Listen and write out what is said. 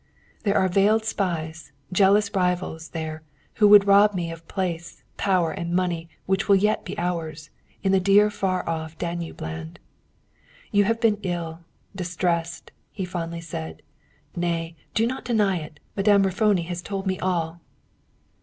"There are veiled spies, jealous rivals, there, who would rob me of place, power, and the money which will yet be ours, in the dear far off Danube land. "You have been ill, distressed," he fondly said. "Nay, do not deny it! Madame Raffoni has told me all."